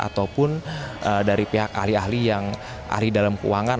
ataupun dari pihak ahli ahli yang ahli dalam keuangan